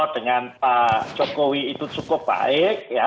dengan pak jokowi itu cukup baik